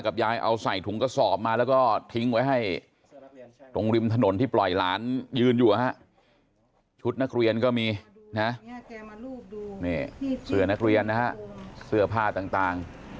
ใช่ไม่บอกเลยไม่รู้เลยด้วยซ้ำ